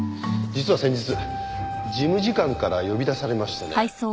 実は先日事務次官から呼び出されましてね。